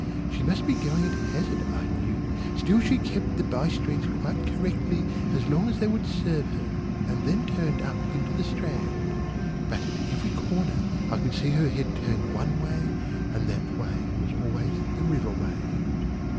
She must be going at hazard I knew, still she kept the by streets quite correctly as long as they would serve her, and then turned up into the Strand. But at every corner I could see her head turned one way, and that way was always the river way.